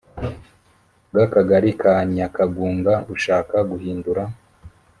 bw akagali ka nyakagunga bushaka guhindura